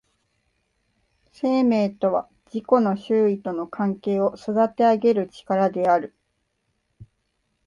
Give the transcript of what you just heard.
生命とは自己の周囲との関係を育てあげる力である。